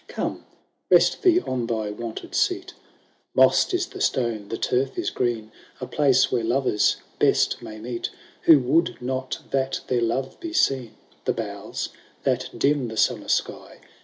Come ! rest thee on thy wonted seat ;^ Moss*d i« the stone, the turf is green, A place where lovers best may meet Who would not that their love be seen. The boughs, that dim the summer sky.